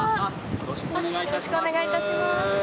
よろしくお願いします。